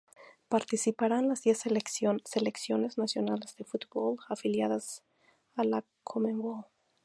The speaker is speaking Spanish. Participarán las diez selecciones nacionales de fútbol afiliadas a la Conmebol.